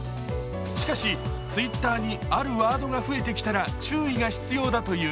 しかし、ツイッターにあるワードが増えてきたら注意が必要だという。